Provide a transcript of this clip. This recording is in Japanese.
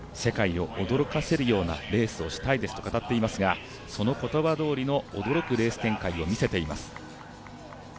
世界を驚かせるようなレースをしたいですと語っていましたがその言葉どおりの驚くレース展開を見せています。